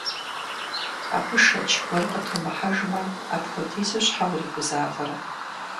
Абы шэч гуэр къытумыхьэжмэ, апхуэдизу щхьэ уригузавэрэ?